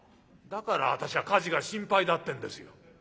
だから私は火事が心配だってんですよ。